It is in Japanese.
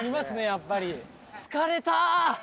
やっぱり疲れた！